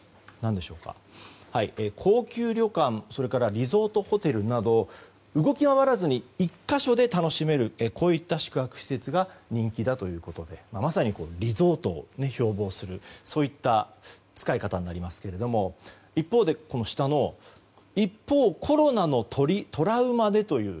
高級旅館、リゾートホテルなど動き回らずに１か所で楽しめるこういった宿泊施設が人気だということでまさにリゾートを標榜するそういった使い方になりますが一方、コロナのトラウマでという。